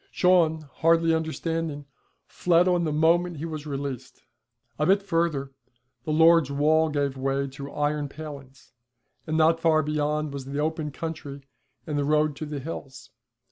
Shawn, hardly understanding, fled on the moment he was released. A bit further the lord's wall gave way to iron palings, and not far beyond was the open country and the road to the hills.